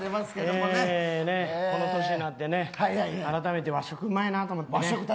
この年になってねあらためて和食うまいなと思って。